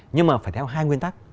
nhưng mà phải theo hai nguyên tắc